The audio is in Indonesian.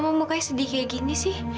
mengapa kamu sedih masih ibadah